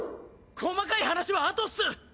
細かい話はあとっす！